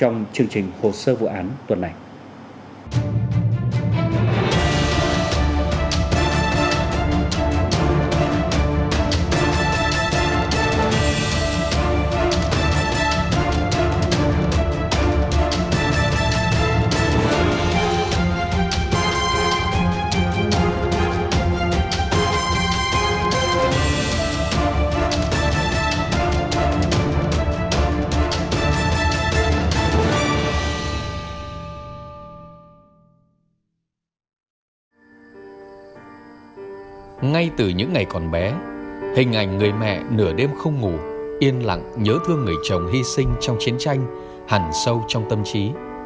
ngay từ những ngày còn bé hình ảnh người mẹ nửa đêm không ngủ yên lặng nhớ thương người chồng hy sinh trong chiến tranh hẳn sâu trong tâm trí